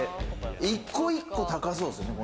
１個１個高そうっすよね。